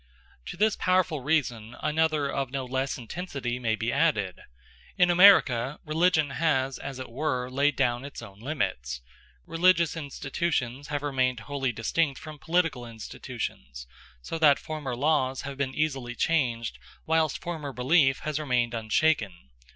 To this powerful reason another of no less intensity may be added: in American religion has, as it were, laid down its own limits. Religious institutions have remained wholly distinct from political institutions, so that former laws have been easily changed whilst former belief has remained unshaken.